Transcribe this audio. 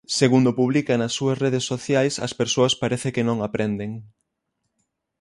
Segundo publica nas súas redes sociais as persoas parece que non aprenden.